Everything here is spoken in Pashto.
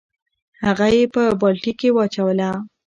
هغه یې په بالټي کې واچوله.